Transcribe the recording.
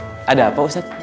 ya ustadz ada apa ustadz